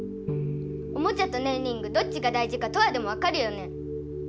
おもちゃとねんリングどっちが大事かトアでもわかるよね？